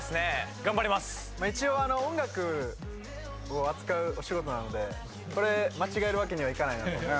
一応音楽を扱うお仕事なのでこれ間違えるわけにはいかないなと。